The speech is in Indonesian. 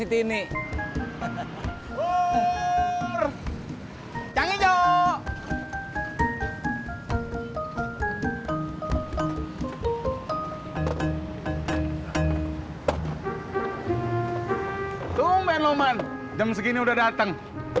tungguin lo man jam segini udah dateng